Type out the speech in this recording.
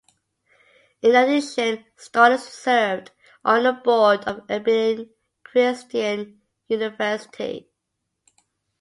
In addition, Stallings served on the board of Abilene Christian University.